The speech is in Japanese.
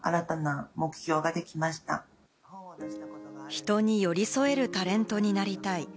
人に寄り添えるタレントになりたい。